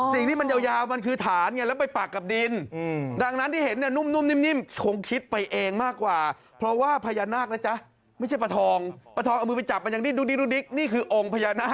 ตัวเป็นอย่างนั้นได้เพราะฉะนั้นเป็นกายทิพย์